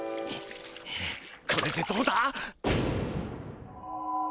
これでどうだ？